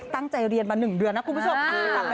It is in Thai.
ตั้งใจเรียนมา๑เดือนนะคุณผู้ชม